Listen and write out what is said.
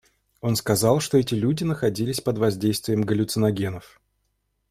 Он сказал, что эти люди находились под воздействием галлюциногенов.